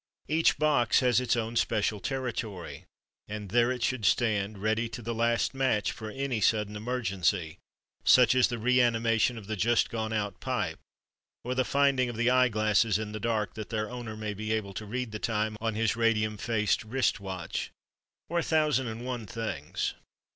Each box has its own special territory, and there it should stand, ready to the last match for any sudden emergency, such as the re animation of the just gone out pipe, or the finding of the eyeglasses in the dark that their owner may be able to read the time on his radium faced wrist watch, or a thousand and one things.